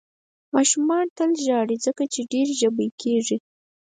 ماشومان تل ژاړي، ځکه یې ډېر ژبۍ کېږي.